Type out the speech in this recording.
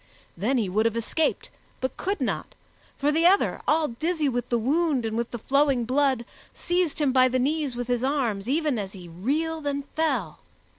Then he would have escaped, but could not, for the other, all dizzy with the wound and with the flowing blood, seized him by the knees with his arms even as he reeled and fell.